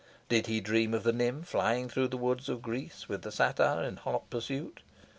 Did he dream of the nymph flying through the woods of Greece with the satyr in hot pursuit?